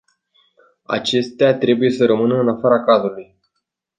Acestea trebuie să rămână în afara cadrului.